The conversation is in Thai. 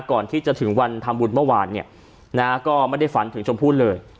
ก่อนที่จะถึงวันทำบุญเมื่อวานเนี่ยนะฮะก็ไม่ได้ฝันถึงชมพู่เลย